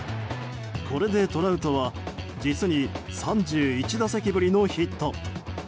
これでトラウトは実に３１打席ぶりのヒット。